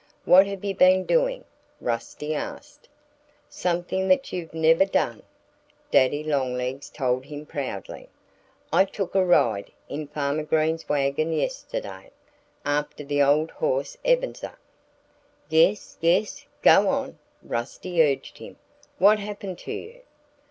"What have you been doing?" Rusty asked. "Something that you've never done!" Daddy Longlegs told him proudly. "I took a ride in Farmer Green's wagon yesterday, after the old horse Ebenezer!" "Yes! yes! Go on!" Rusty urged him. "What happened to you?"